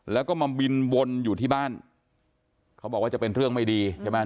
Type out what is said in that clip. แล้วก็มาบินวนอยู่ที่บ้านเขาบอกว่าจะเป็นเรื่องไม่ดีใช่ไหม